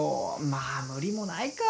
まあ無理もないか。